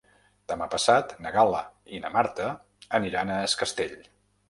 Demà passat na Gal·la i na Marta aniran a Es Castell.